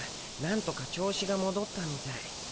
なんとか調子がもどったみたい。